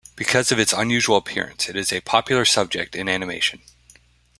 Because of its unusual appearance, it is a popular subject in animation.